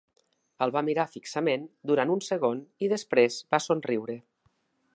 El va mirar fixament durant un segon i després va somriure.